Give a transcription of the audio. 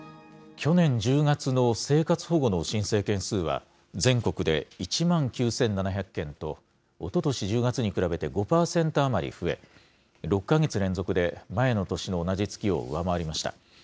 去年１０月の生活保護の申請件数は、全国で１万９７００件と、おととし１０月に比べて５％余り増え、６か月連続で前の年の同じ月を上回りました。